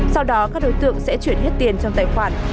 sau đó các đối tượng sẽ chuyển hết tiền trong tài khoản